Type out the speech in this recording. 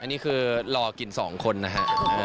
อันนี้คือรอกิน๒คนนะฮะ